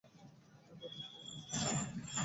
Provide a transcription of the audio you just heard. অনেক রাত পর্যন্ত এপাশ-ওপাশ করতে হয়।